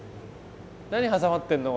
何挟まってるの？